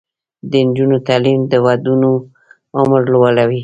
د نجونو تعلیم د ودونو عمر لوړوي.